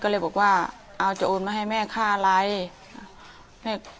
สวัสดีครับ